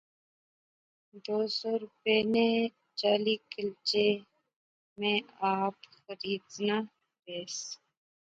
دو سو روپے نے چالی کلچے میں آپ خریزنا ریاس